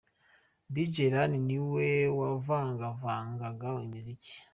Dj Ira ni we wavangavangaga imiziki.